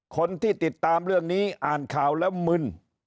คนที่ติดตามเรื่องนี้อ่านข่าวแล้วมึน